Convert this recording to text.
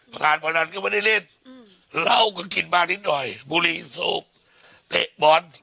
ผ่านพนันก็ไม่ได้เล่นอืมเราก็กินมานิดหน่อยบุรีสูบเผ็ดบอล